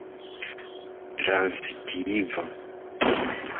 transitiva